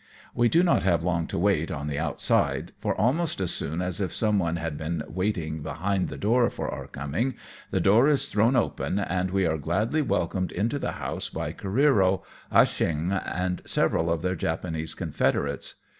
We do not have long to wait on the outside, for almost as soon as if someone had been waiting behind the door for our coming, the door is thrown open, and we are gladly welcomed into the house by Careero, Ah Cheong, and several of their Japanese confederates.